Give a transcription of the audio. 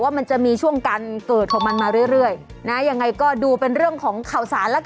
มันจะมีช่วงการเกิดของมันมาเรื่อยนะยังไงก็ดูเป็นเรื่องของข่าวสารแล้วกัน